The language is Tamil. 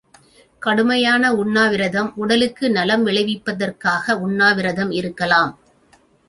கடுமையான உண்ணாவிரதம் உடலுக்கு நலம் விளைவிப்பதற்காக உண்ணாவிரதம் இருக்கலாம்.